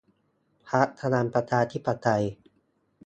พรรคพลังประชาธิปไตย